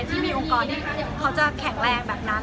ที่มีองค์กรที่เขาจะแข็งแรงแบบนั้น